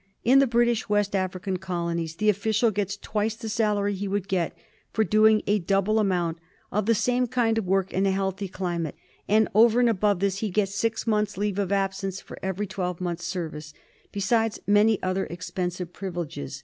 In the British West African Colonies the official gets twice the salary he would get for doing a double amount of the same kind of work in a healthy climate ; and, over and above this, he gets six months' leave of absence for every twelve months' service, besides many other expensive privileges.